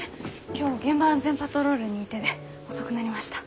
今日現場安全パトロールに行ってで遅くなりました。